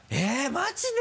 マジで？